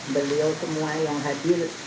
beliau semua yang hadir